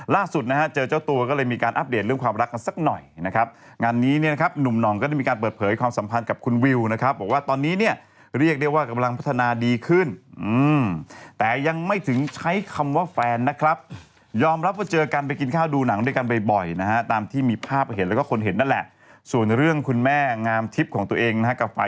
ล่าสุดเจอเจ้าตัวก็เลยมีการอัปเดตเรื่องความรักกันสักหน่อยงานนี้หนุ่มหนองก็ได้มีการเปิดเผยความสัมพันธ์กับคุณวิวบอกว่าตอนนี้เรียกเรียกว่ากำลังพัฒนาดีขึ้นแต่ยังไม่ถึงใช้คำว่าแฟนนะครับยอมรับว่าเจอกันไปกินข้าวดูหนังด้วยกันบ่อยตามที่มีภาพเห็นแล้วก็คนเห็นนั่นแหละ